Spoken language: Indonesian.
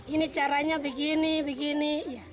ini caranya begini begini